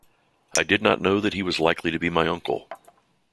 I did not know that he was likely to be my uncle.